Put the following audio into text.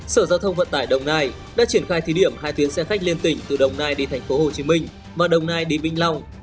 sở giao thông vận tải đồng nai đã triển khai thí điểm hai tuyến xe khách lên tỉnh từ đồng nai đi thành phố hồ chí minh và đồng nai đi vĩnh long